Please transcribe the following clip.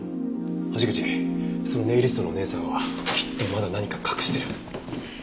橋口そのネイリストのお姉さんはきっとまだ何か隠してる。